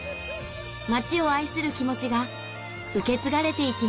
町を愛する気持ちが受け継がれていきます。